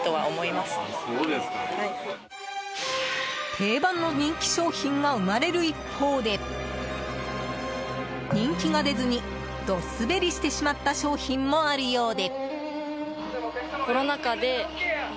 定番の人気商品が生まれる一方で人気が出ずにド滑りしてしまった商品もあるようで。